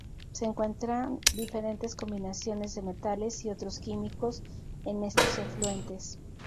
Se encuentran diferentes combinaciones de metales y otros químicos en estos efluentes.